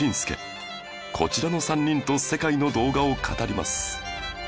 こちらの３人と世界の動画を語ります